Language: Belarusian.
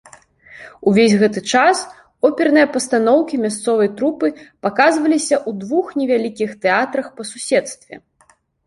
Увесь гэты час оперныя пастаноўкі мясцовай трупы паказваліся ў двух невялікіх тэатрах па суседстве.